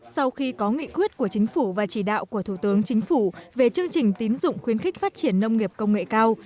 sau khi có nghị quyết của chính phủ và chỉ đạo của thủ tướng chính phủ về chương trình tín dụng khuyến khích phát triển nông nghiệp công nghệ cao